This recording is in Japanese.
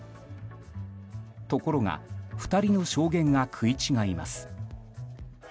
ところが２人の証言が食い違います。